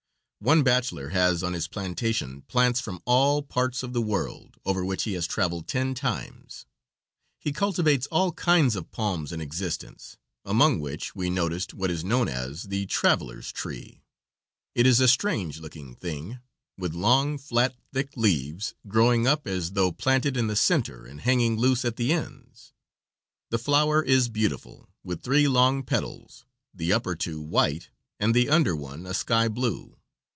One bachelor has on his plantation plants from all parts of the world, over which he has traveled ten times. He cultivates all kinds of palms in existence, among which we noticed what is known as the "Traveler's tree." It is a strange looking thing, with long, flat, thick leaves growing up as though planted in the center and hanging loose at the ends. The flower is beautiful, with three long petals, the upper two white and the under one a sky blue.